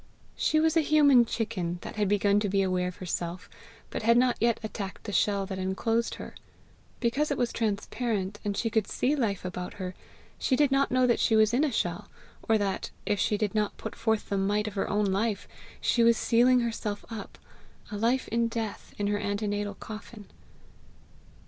She was a human chicken that had begun to be aware of herself, but had not yet attacked the shell that enclosed her: because it was transparent, and she could see life about her, she did not know that she was in a shell, or that, if she did not put forth the might of her own life, she was sealing herself up, a life in death, in her antenatal coffin.